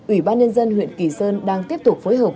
ủy ban nhân dân huyện kỳ sơn đang tiếp tục phối hợp